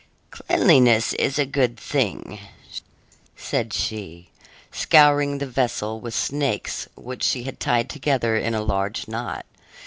"Cleanliness is a good thing," said she, scouring the vessel with snakes which she had tied together in a large knot.